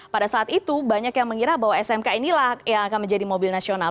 pada saat itu banyak yang mengira bahwa smk inilah yang akan menjadi mobil nasional